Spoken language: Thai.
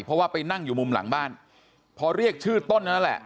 เพราะว่าไปนั่งอยู่มุมหลังบ้านพอเรียกชื่อต้นนั่นแหละ